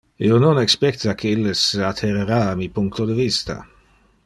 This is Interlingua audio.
Io non expecta que illes se adherera a mi puncto de vista.